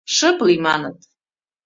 — Шып лий, — маныт.